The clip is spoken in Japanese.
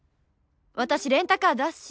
私レンタカー出すし。